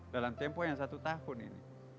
dalam tempo yang satu tahun ini